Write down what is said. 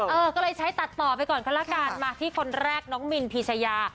เออก็เลยใช้ตัดต่อไปก่อนก็ละกันมาที่คนแรกน้องมินพีชายา